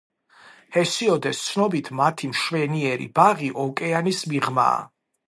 ჰესიოდეს ცნობით მათი მშვენიერი ბაღი ოკეანის მიღმაა.